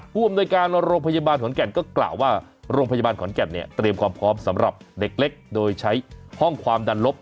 ผู้อำนวยการโรงพยาบาลขอนแก่นก็กล่าวว่าโรงพยาบาลขอนแก่นเนี่ยเตรียมความพร้อมสำหรับเด็กเล็กโดยใช้ห้องความดันลบ